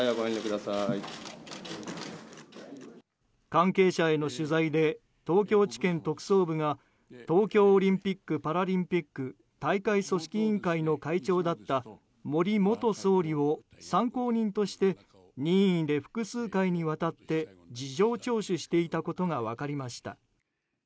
関係者への取材で東京地検特捜部が東京オリンピック・パラリンピック大会組織委員会の会長だった森元総理を参考人として任意で複数回にわたって事情聴取していたことが分かりました。